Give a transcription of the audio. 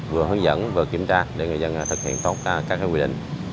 vừa hướng dẫn vừa kiểm tra để người dân thực hiện tốt các quy định